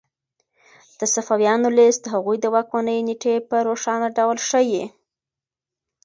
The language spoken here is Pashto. د صفویانو لیست د هغوی د واکمنۍ نېټې په روښانه ډول ښيي.